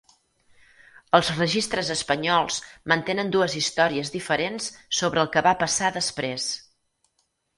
Els registres espanyols mantenen dues històries diferents sobre el que va passar després.